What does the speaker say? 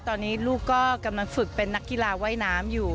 ตอนนี้ลูกก็กำลังฝึกเป็นนักกีฬาว่ายน้ำอยู่